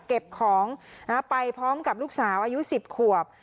เก็บของไปพร้อมกับลูกสาวอายุ๑๐ขวบ